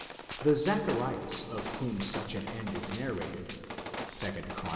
The Zacharias of whom such an end is narrated 2 Chron.